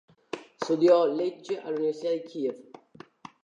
Studiò legge all'Università di Kiev.